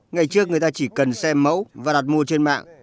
ngày trước người ta chỉ cần xem mẫu và đặt mua trên mạng